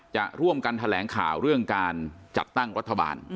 จะร่วมกันแถลงข่าวเรื่องการจัดตั้งรัฐบาล